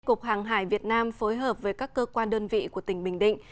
cục hàng hải việt nam phối hợp với các cơ quan đơn vị của tỉnh bình định